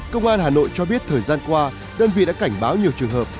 công an hà nội cho biết thời gian qua đơn vị đã cảnh báo nhiều trường hợp